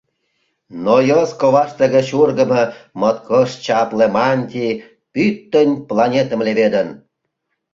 Но йос коваште гыч ургымо моткоч чапле мантий пӱтынь планетым леведын.